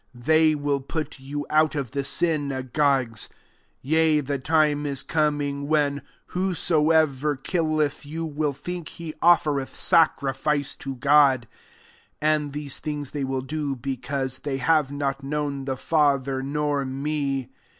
2 They wHI JOHN XVI. 18d put you out of the synagogues : yea, the time is coming, when whosoever killeth you wUl think he ofTereth sacrifice to God. 3 And these things they will do, because they have not known the Father, nor me.